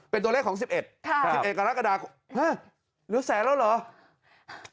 เป็นตัวเลขของ๑๑๑๑กรกฎาเหลือแสนแล้วเหรอ